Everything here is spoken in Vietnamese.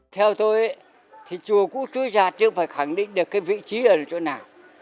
theo tôi chùa cúc chúa già chứ không phải khẳng định được vị trí ở chỗ nào